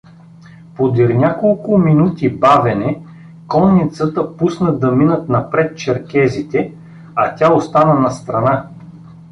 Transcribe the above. Подир няколко минути бавене конницата пусна да минат напред черкезите, а тя остана настрана.